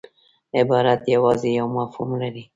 عبارت یوازي یو مفهوم لري.